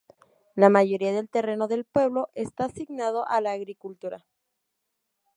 La mayoría del terreno del pueblo está asignado a la agricultura.